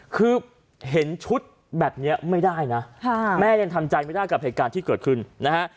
คือเห็นชุดแบบนี้ไม่ได้นะแม่ยังทำใจไม่ได้กับเหตุการณ์ที่เกิดขึ้นนะฮะ